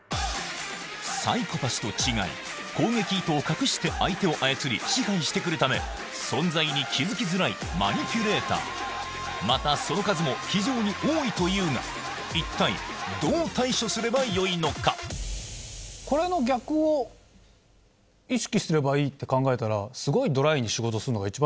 サイコパスと違い攻撃意図を隠して相手を操り支配して来るため存在に気付きづらいマニピュレーターまたその数も非常に多いというが一体どう対処すればよいのかこれの逆を意識すればいいって考えたらすごい。